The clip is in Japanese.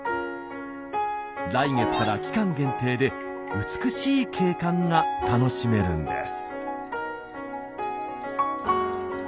来月から期間限定で美しい景観が楽しめるんです。